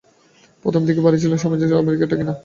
প্রথম দিকে এই বাড়ীই ছিল স্বামীজীর আমেরিকার ঠিকানা।